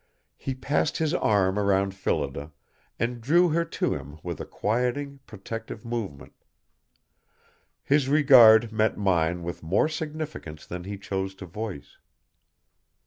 He passed his arm around Phillida and drew her to him with a quieting, protective movement. His regard met mine with more significance than he chose to voice.